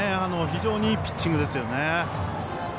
非常にいいピッチングですよね。